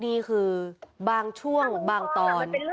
นี่คือบางช่วงบางตอน